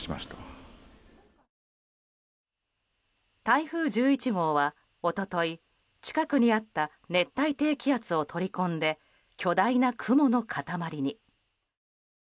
台風１１号は、一昨日近くにあった熱帯低気圧を取り込んで巨大な雲の塊に。